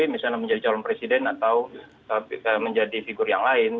misalnya menjadi calon presiden atau menjadi figur yang lain